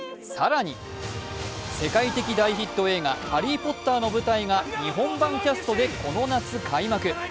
更に、世界的大ヒット映画「ハリー・ポッター」の舞台が日本版キャストでこの夏、開幕。